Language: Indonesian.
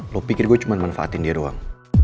lo pikir gue cuma manfaatin dia doang